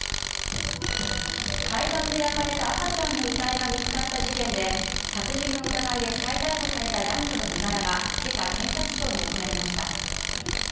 海岸で、焼かれた赤ちゃんの遺体が見つかった事件で殺人の疑いで再逮捕された男女の身柄が今朝、検察庁に送られました。